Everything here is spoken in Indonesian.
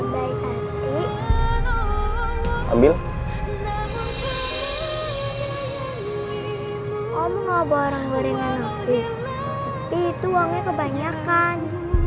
itu uangnya kebanyakan